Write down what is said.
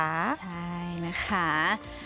ใช่นะคะ